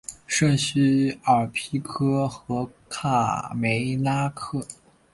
圣叙尔皮克和卡梅拉克。